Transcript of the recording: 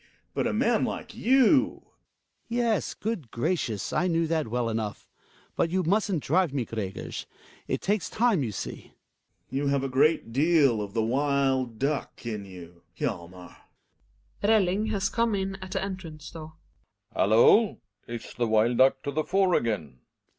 But a man like you ! Hjalmar. Yes. Good gracious, I knew that well enough. But you musn't drive me, Gregers. It takes time, you see. Gregers. You have a great deal of the wild duck in you, Hjalmar. Belling has come in at the entrance door. Belling. Hallo ! Is the wild duck to the fore again?